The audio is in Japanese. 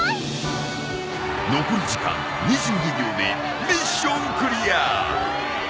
残り時間２２秒でミッションクリア！